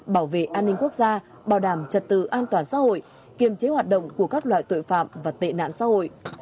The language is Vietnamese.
bảo vệ an ninh quốc gia bảo đảm trật tự an toàn xã hội kiềm chế hoạt động của các loại tội phạm và tệ nạn xã hội